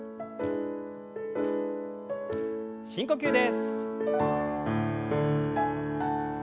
深呼吸です。